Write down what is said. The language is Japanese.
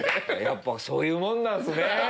「やっぱそういうもんなんですね」。